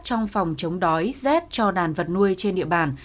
trong phòng chống đói rét cho đàn vật nuôi trên địa bàn